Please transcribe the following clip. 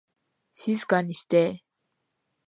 静かにして